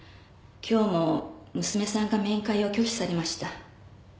今日も娘さんが面会を拒否されました。